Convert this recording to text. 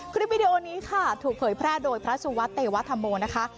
วิดีโอนี้ค่ะถูกเผยแพร่โดยพระสุวัสดิเตวธรรมโมนะคะ